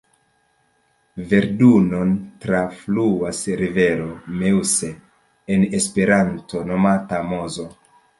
Verdun-on trafluas rivero Meuse, en Esperanto nomata Mozo.